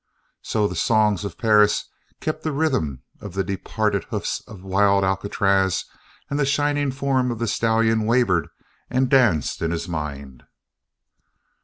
So the songs of Perris kept the rhythm of the departed hoofs of wild Alcatraz and the shining form of the stallion wavered and danced in his mind.